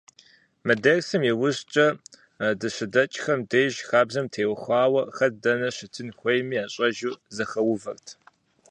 Мы дерсым иужькӏэ, дыщыдэкӏхэм деж, хабзэм теухуауэ, хэт дэнэ щытын хуейми ящӏэжу зэхэувэрт.